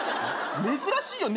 珍しいよ。